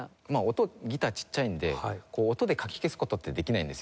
音ギターちっちゃいんで音でかき消す事ってできないんですよ。